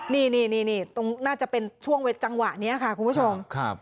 นี่ตรงน่าจะเป็นช่วงจังหวะนี้ค่ะคุณผู้ชม